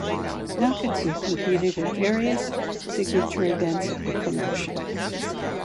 Nakatsu competed in various signature events of the promotion.